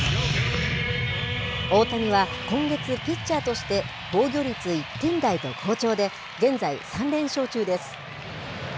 大谷は今月、ピッチャーとして防御率１点台と好調で、現在、３連勝中です。